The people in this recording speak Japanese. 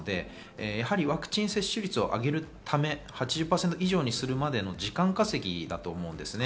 やはりワクチン接種率を上げるため、８０％以上にするまでの時間稼ぎだと思うんです。